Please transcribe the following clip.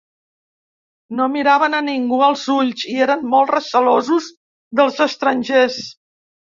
No miraven a ningú als ulls i eren molt recelosos dels estrangers.